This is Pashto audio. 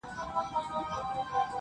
سپی مي دغه هدیره کي ښخومه.